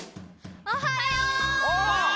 おはよう！